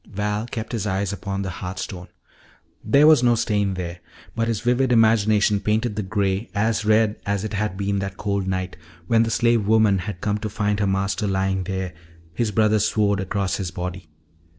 Val kept his eyes upon the hearth stone. There was no stain there, but his vivid imagination painted the gray as red as it had been that cold night when the slave woman had come to find her master lying there, his brother's sword across his body.